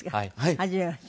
はじめまして。